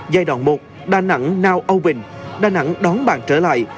giai đoạn một đà nẵng now open đà nẵng đón bạn trở lại